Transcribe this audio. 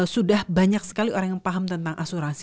sudah banyak sekali orang yang paham tentang asuransi